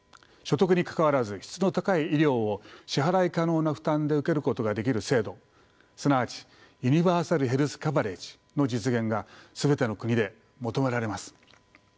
所得にかかわらず質の高い医療を支払い可能な負担で受けることができる制度すなわちユニバーサル・ヘルス・カバレッジの実現が全ての国で求められます。